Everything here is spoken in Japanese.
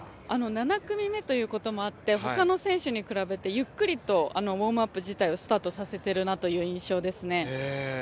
７組目ということもあってほかの選手と比べてゆっくりとウォームアップ自体をスタートさせているなという印象ですね。